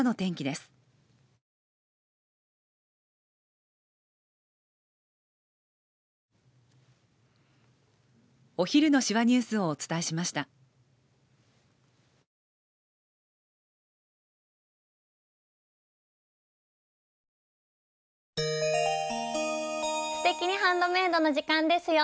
「すてきにハンドメイド」の時間ですよ！